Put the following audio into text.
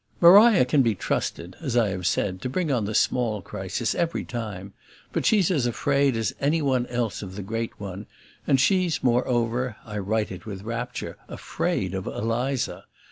Maria can be trusted, as I have said, to bring on the small crisis, every time; but she's as afraid as any one else of the great one, and she's moreover, I write it with rapture, afraid of Eliza.